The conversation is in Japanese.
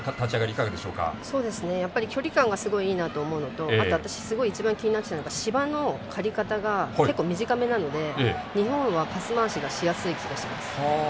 やっぱり距離感がすごくいいなと思うのと私、すごい一番気になっていたのが芝の刈り方が結構、短めなので日本はパス回しがしやすい気がします。